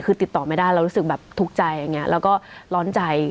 คือติดต่อไม่ได้เรารู้สึกแบบทุกข์ใจอย่างนี้แล้วก็ร้อนใจ